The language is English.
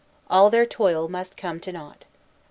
All their toil must come to nought.